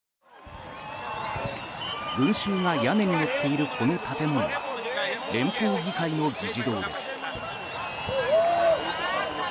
群衆が屋根に乗っているこの建物は連邦議会の議事堂です。